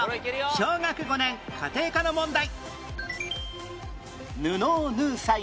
小学５年家庭科の問題